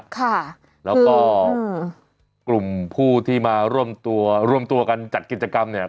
ค่ะแล้วก็กลุ่มผู้ที่มาร่วมตัวร่วมตัวกันจัดกิจกรรมเนี่ย